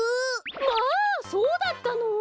まあそうだったの？